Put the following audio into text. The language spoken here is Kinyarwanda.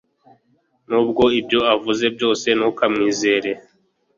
Nubwo ibyo avuga byose ntukamwizere